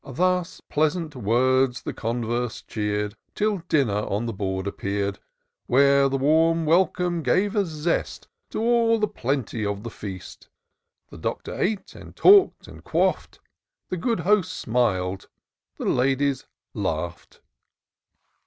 Thus pleasant words the converse cheer'd. Till dinner on the board appeared ; Where the warm welcome gave a zest To all the plenty of the feast. The Doctor ate, and talk'd and quaffd ; The good Host smil'd, the Ladies laugh'd.